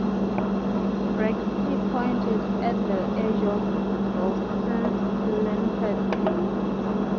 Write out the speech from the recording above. Breaksea Point is at the edge of Gileston's Limpert Bay.